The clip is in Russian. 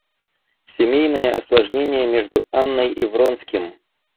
Семейные осложнения между Анной и Вронским.